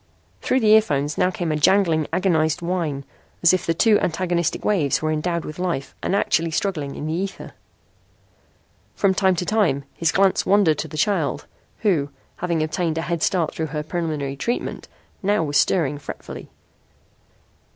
Through the earphones now came a jangling, agonized whine, as if the two antagonistic waves were endowed with life and actually struggling in the ether. From time to time his glance wandered to the child, who, having obtained a head start through her preliminary treatment, now was stirring fretfully.